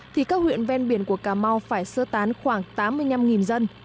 thì các huyện ven biển của cà mau phải sơ tán khoảng tám mươi năm dân